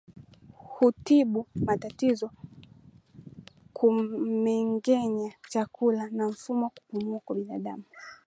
Hutibu matatizo ya kumengenya chakula na mfumo wa kupumua kwa binadamu